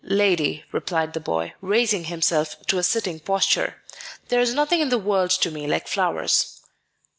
"Lady," replied the boy, raising himself to a sitting posture, "there is nothing in the world to me like flowers."